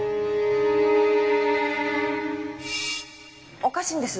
おかしいんです。